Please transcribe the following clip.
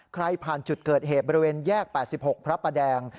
ผ่านจุดเกิดเหตุบริเวณแยก๘๖พระประแดง